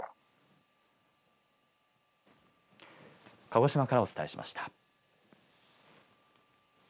鹿児島からお伝えしました。